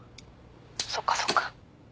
そっかそっか。